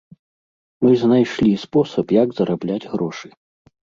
Мы знайшлі спосаб, як зарабляць грошы.